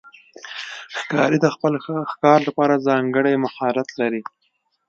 ښکاري د خپل ښکار لپاره ځانګړی مهارت لري.